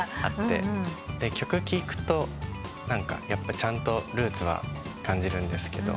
曲聴くとやっぱちゃんとルーツは感じるんですけど。